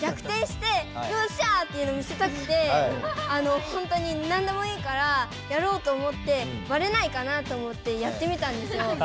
逆転してヨッシャー！っていうのを見せたくてほんとになんでもいいからやろうと思ってバレないかなと思ってやってみたんですよ。